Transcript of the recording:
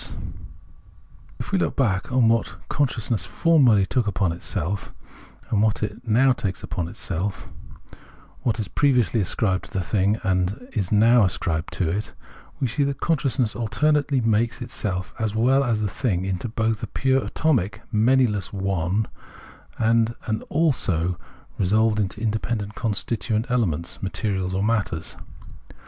116 Phenomenology of Mind If we look back on what consciousness formerly took upon itself, and now takes upon itself, what it previously ascribed to the thing, and now ascribes to it, we see that consciousness alternately makes itself, as well as the thing, into both a pure atomic many less " one," and an " also " resolved into independent con stituent elements (materials or matters).